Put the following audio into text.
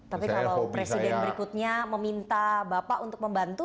tapi kalau presiden berikutnya meminta bapak untuk membantu